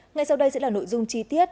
ngày sau đây sẽ là nội dung chi tiết